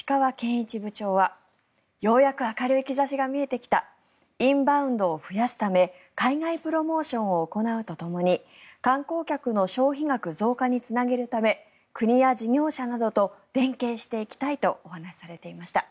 一部長はようやく明るい兆しが見えてきたインバウンドを増やすため海外プロモーションを行うとともに観光客の消費額増加につなげるため国や事業者などと連携していきたいとお話しされていました。